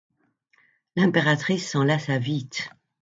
L’impératrice s’en lassa vite.